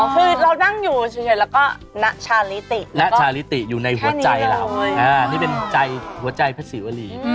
คือเรานั่งอยู่เฉยแล้วก็นะชาลิติ